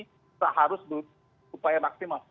kita harus berupaya maksimal